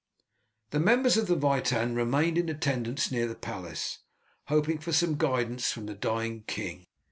The members of the Witan remained in attendance near the palace, hoping for some guidance from the dying king.